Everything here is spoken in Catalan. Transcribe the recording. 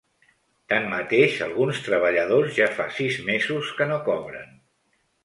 Tanmateix, alguns treballadors ja fa sis mesos que no cobren.